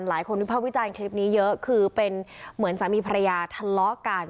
วิภาควิจารณ์คลิปนี้เยอะคือเป็นเหมือนสามีภรรยาทะเลาะกัน